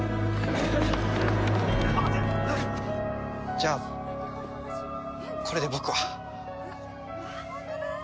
じゃあこれで僕は。